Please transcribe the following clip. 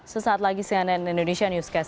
sesaat lagi cnn indonesia newscast